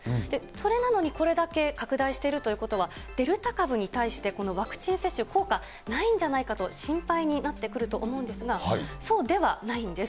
それなのにこれだけ拡大しているということは、デルタ株に対してこのワクチン接種、効果ないんじゃないかと心配になってくると思うんですが、そうではないんです。